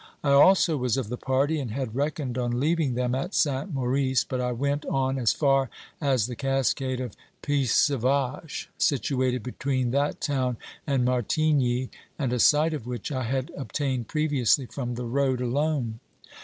I also was of the party, and had reckoned on leaving them at Saint Maurice, but I went on as far as the cascade of Pissevache, situated between that town and Martigni, and a sight of which I had ob tained previously from the road alone.